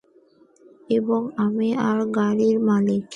এবং আমি এই গাড়ির মালিক।